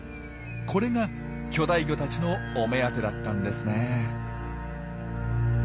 これが巨大魚たちのお目当てだったんですね。